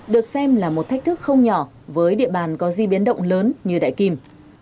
được xem là một thách thức không nhỏ với địa bàn có di biến động lớn như đại kim